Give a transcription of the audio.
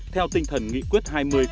theo tinh thần nghị quyết hai mươi